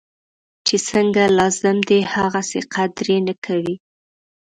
چی څنګه لازم دی هغسې قدر یې نه کوي.